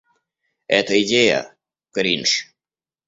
Эта идея — кринж.